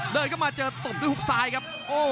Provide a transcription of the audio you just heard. เดินเข้ามาเจอตบด้วยฮุกซ้ายครับ